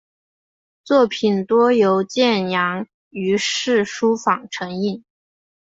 作品多由建阳余氏书坊承印。